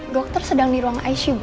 dokter sedang di ruang icu bu